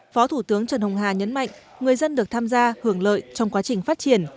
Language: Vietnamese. phó thủ tướng trần hồng hà nhấn mạnh người dân được tham gia hưởng lợi trong quá trình phát triển